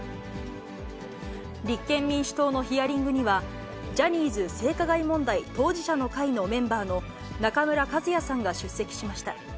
立憲民主党のヒアリングには、ジャニーズ性加害問題当事者の会のメンバーの中村一也さんが出席しました。